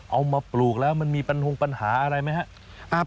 ปลูกแล้วมันมีปัญหาอะไรไหมครับ